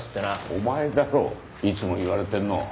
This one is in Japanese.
お前だろいつも言われてんの。